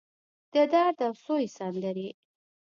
د درد اوسوي سندرې